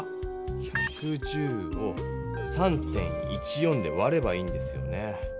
１１０を３．１４でわればいいんですよね。